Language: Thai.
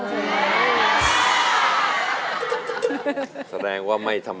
แหละคุณภาพแหละคุณภาพแหละคุณภาพ